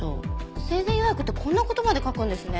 生前予約ってこんな事まで書くんですね。